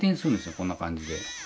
こんな感じで。